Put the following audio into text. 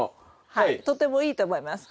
はいとてもいいと思います。